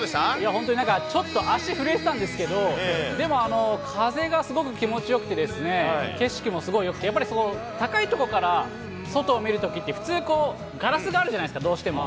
本当になんか、ちょっと足震えてたんですけど、でも、風がすごく気持ちよくて、景色もすごいよくて、やっぱり高い所から外を見るときって、普通こう、ガラスがあるじゃないですか、どうしても。